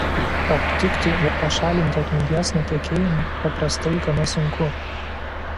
Aptikti ir pašalinti atminties nutekėjimą paprastai gana sunku.